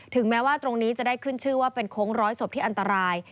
แม้ว่าตรงนี้จะได้ขึ้นชื่อว่าเป็นโค้งร้อยศพที่อันตราย